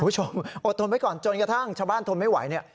จนกระทั่งชาวบ้านทนไม่ไหวเนี่ย